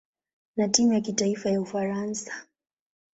na timu ya kitaifa ya Ufaransa.